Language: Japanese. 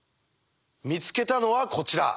見つけたのはこちら。